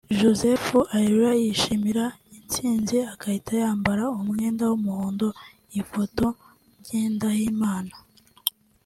Joseph Areruya yishimira insinzi agahita yambara umwenda w’umuhondo (Ifoto/Ngendahimana S)